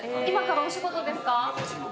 今から仕事です。